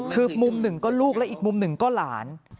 คือมุมหนึ่งก็ลูกและอีกมุมหนึ่งก็หลาน